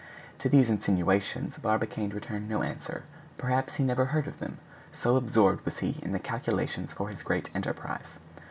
To these insinuations Barbicane returned no answer; perhaps he never heard of them, so absorbed was he in the calculations for his great enterprise.